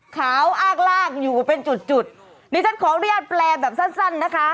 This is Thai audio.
ขาวอ้างล่างอยู่เป็นจุดจุดดิฉันขออนุญาตแปลแบบสั้นสั้นนะคะ